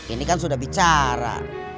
ini kan sudah bicara